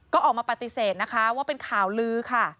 ก็ออกมาปฏิเสธนะคะว่าเป็นข่าวลือค่ะ